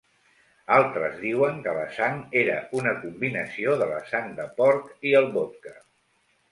Altres diuen que la sang era una combinació de la sang de porc i el vodka.